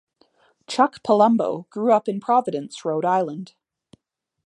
Chuck Palumbo grew up in Providence, Rhode Island.